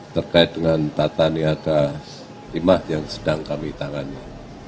terkait dengan tata niaga lima yang sedang kami tangani